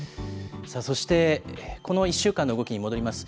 そして、この１週間の動きに戻ります。